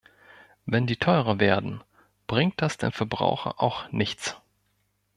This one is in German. Wenn die teurer werden, bringt das dem Verbraucher auch nichts.